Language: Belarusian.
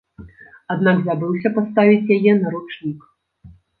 Аднак забыўся паставіць яе на ручнік.